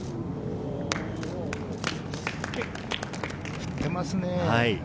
振ってますね。